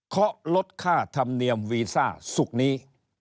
เขาลดค่าธรรมเนียมวีซ่าศุกร์นี้